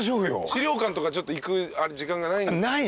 資料館とかちょっと行く時間がない。